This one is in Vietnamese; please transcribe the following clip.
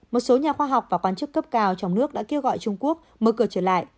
một số nhà khoa học và quan chức cấp cao trong nước đã kêu gọi trung quốc mở cửa trở lại